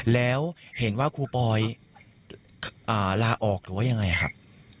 แล้วเห็นว่าครูปอยลาออกหรือว่ายังไงครับ